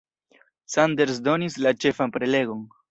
Sanders donis la ĉefan prelegon.